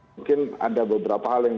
mungkin ada beberapa hal yang